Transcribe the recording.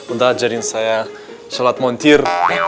udah ajarin saya shalat montir